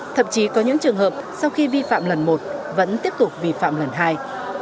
thậm chí có những trường hợp sau khi vi phạm lần một vẫn tiếp tục vi phạm lần hai